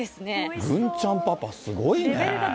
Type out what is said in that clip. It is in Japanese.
郡ちゃんパパ、すごいね。